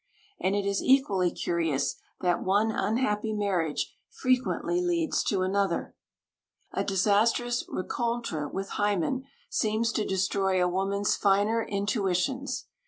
And it is equally curious that one unhappy marriage frequently leads to another. A disastrous rencontre with Hymen seems to destroy a woman's finer intuitions.